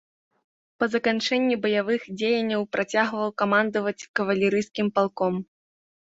Па заканчэнні баявых дзеянняў працягваў камандаваць кавалерыйскім палком.